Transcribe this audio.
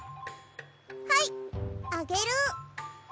はいあげる。